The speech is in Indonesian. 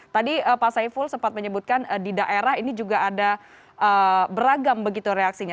tadi pak saiful sempat menyebutkan di daerah ini juga ada beragam begitu reaksinya